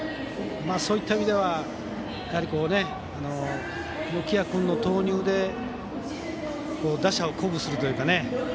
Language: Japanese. そういった意味では榎谷君の投入で打者を鼓舞するというかね。